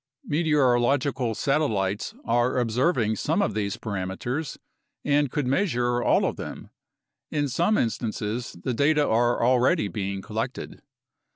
Meteorological satellites are observing some of these param eters and could measure all of them. In some instances, the data are already being collected.